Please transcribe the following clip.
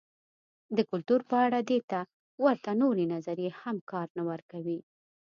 د کلتور په اړه دې ته ورته نورې نظریې هم کار نه ورکوي.